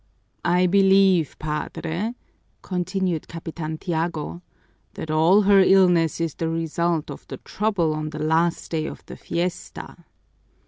"I believe, Padre," continued Capitan Tiago, "that all her illness is the result of the trouble on the last day of the fiesta."